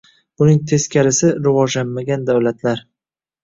Buning teskarisi — rivojlanmagan davlatlar.